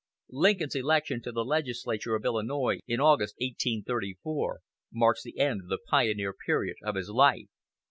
Lincoln's election to the legislature of Illinois in August, 1834, marks the end of the pioneer period of his life.